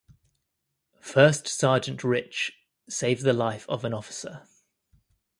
First Sergeant Rich saved the life of an officer.